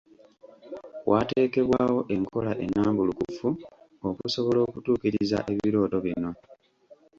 Waateekebwawo enkola ennambulukufu okusobola okutuukiriza ebirooto bino.